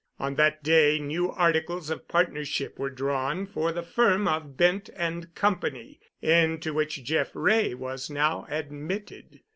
On that day new articles of partnership were drawn for the firm of Bent & Company, into which Jeff Wray was now admitted.